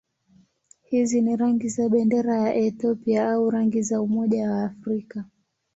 Hizi ni rangi za bendera ya Ethiopia au rangi za Umoja wa Afrika.